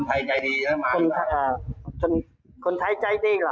ถ้าไม่มีกินยังไงก็ต้องมาเมืองไทยอีกนั่นแหละ